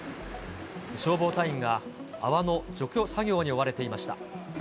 消防隊員が泡の除去作業に追われていました。